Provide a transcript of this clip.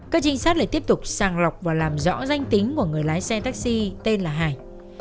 các trinh sát lại tiếp tục sàng lọc và làm rõ danh tính của người lái xe taxi tên là hải